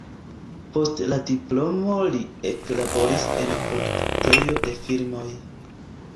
Post la diplomo li eklaboris en produktejo de filmoj.